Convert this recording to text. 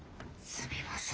すみません